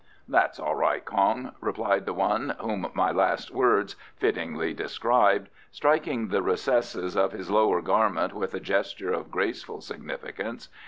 "That's all right, Kong," exclaimed the one whom my last words fittingly described, striking the recess of his lower garment with a gesture of graceful significance.